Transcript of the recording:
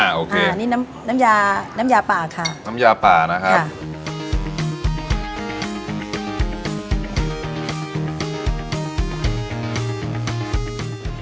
โอเคอันนี้น้ำน้ำยาน้ำยาป่าค่ะน้ำยาป่านะครับค่ะ